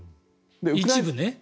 一部ね。